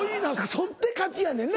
そって勝ちやねんな。